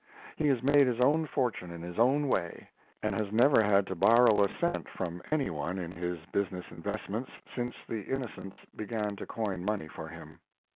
He has made his own fortune in his own way, and has never had to borrow a cent from any one in his business investments since the " Inno cents" began to coin money for him.